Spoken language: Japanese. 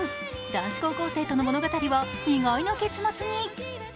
男子高校生との物語を意外な結末に。